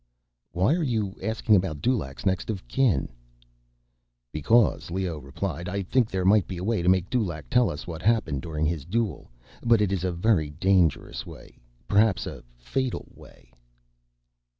"Why are you asking about Dulaq's next of kin?" "Because," Leoh replied, "I think there might be a way to make Dulaq tell us what happened during his duel. But it is a very dangerous way. Perhaps a fatal way."